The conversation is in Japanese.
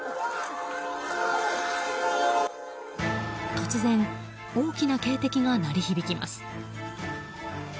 突然、大きな警笛が鳴り響きます。